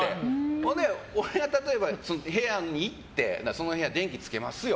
それで俺が例えば部屋に行ってその部屋、電気つけますよ。